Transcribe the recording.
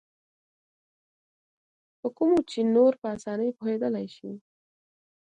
په کومو چې نور په اسانۍ پوهېدلای شي.